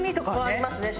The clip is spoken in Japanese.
ありますね